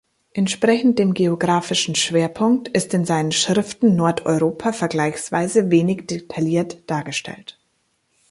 Entsprechend dem geographischen Schwerpunkt ist in seinen Schriften Nordeuropa vergleichsweise wenig detailliert dargestellt.